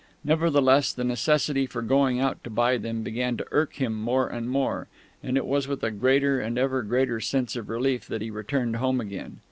Nevertheless, the necessity for going out to buy them began to irk him more and more, and it was with a greater and ever greater sense of relief that he returned home again.